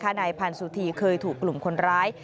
นายพันธ์สุธีเคยถูกกลุ่มคนร้าย